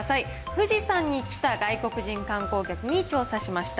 富士山に来た外国人観光客に調査しました。